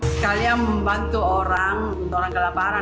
sekalian membantu orang untuk orang kelaparan